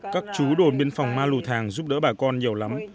các chú đồn biên phòng ma lù thàng giúp đỡ bà con nhiều lắm